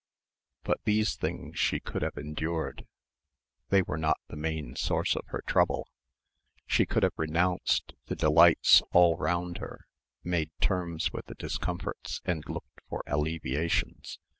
But these things she could have endured. They were not the main source of her troubles. She could have renounced the delights all round her, made terms with the discomforts and looked for alleviations.